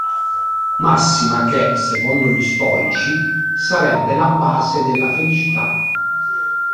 Massima che, secondo gli stoici, sarebbe la base della felicità.